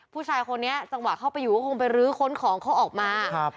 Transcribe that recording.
ผู้ชายคนนี้จังหวะเข้าไปอยู่ก็คงไปรื้อค้นของเขาออกมาครับ